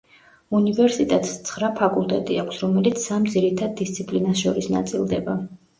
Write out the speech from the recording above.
უნივერსიტეტს ცხრა ფაკულტეტი აქვს, რომელიც სამ „ძირითად დისციპლინას“ შორის ნაწილდება.